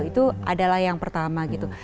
itu adalah yang pertama gitu